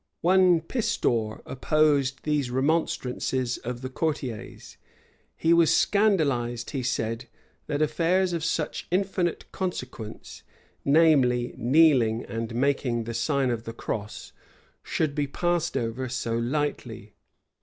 One Pistor opposed these remonstrances of the courtiers. He was scandalized, he said, that affairs of such infinite consequence (namely, kneeling, and making the sign of the cross) should be passed over so lightly.